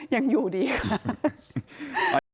ยังอยู่ดีค่ะ